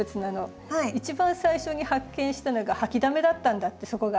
一番最初に発見したのが掃きだめだったんだってそこが。